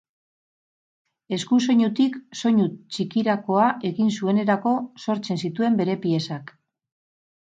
Eskusoinutik soinu txikirakoa egin zuenerako sortzen zituen bere piezak.